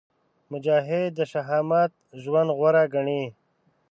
مجاهد د شهامت ژوند غوره ګڼي.